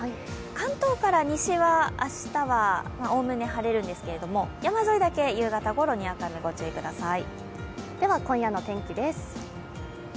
関東から西は明日はおおむね晴れるんですけど山沿いだけ夕方ごろ、にわか雨にご注意ください。